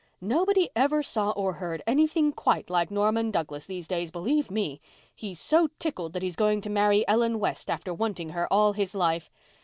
Nobody ever saw or heard anything quite like Norman Douglas these days, believe me. He's so tickled that he's going to marry Ellen West after wanting her all his life.